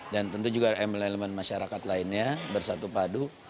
dan tentu juga embelelemen masyarakat lainnya bersatu padu